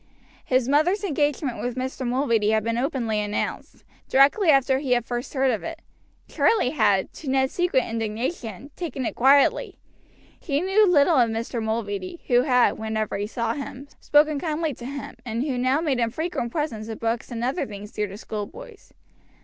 His mother's engagement with Mr. Mulready had been openly announced, directly after he had first heard of it. Charlie had, to Ned's secret indignation, taken it quietly. He knew little of Mr. Mulready, who had, whenever he saw him, spoken kindly to him, and who now made him frequent presents of books and other things dear to schoolboys.